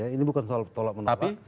ini bukan soal menolak